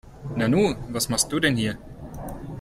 Nanu, was machst du denn hier?